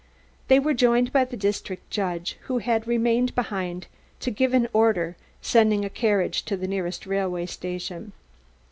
They were joined by the district judge, who had remained behind to give an order sending a carriage to the nearest railway station.